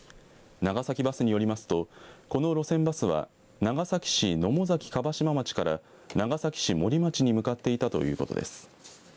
長崎バスによりますとこの路線バスは長崎市野母崎樺島町から長崎市茂里町に向かっていたということです。